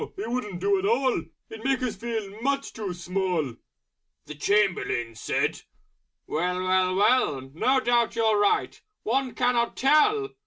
He wouldn't do at all, He'd make us feel a lot too small," The Chamberlain said, "... Well, well, well! No doubt you're right.... One cannot tell!"